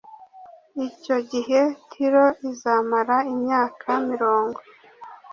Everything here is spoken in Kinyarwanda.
icyo gihe tiro izamara imyaka mirongo